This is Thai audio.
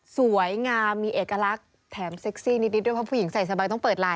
สวยงามมีเอกลักษณ์แถมเซ็กซี่นิดด้วยเพราะผู้หญิงใส่สบายต้องเปิดไลน